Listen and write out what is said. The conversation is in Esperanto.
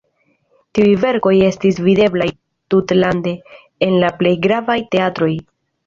Tiuj verkoj estis videblaj tutlande en la plej gravaj teatroj.